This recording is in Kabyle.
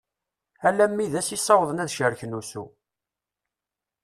Alammi d ass i ssawḍen ad cerken ussu.